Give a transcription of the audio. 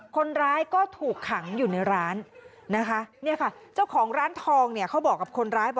คนร้ายก็ถูกขังอยู่ในร้านนะคะเนี่ยค่ะเจ้าของร้านทองเนี่ยเขาบอกกับคนร้ายบอก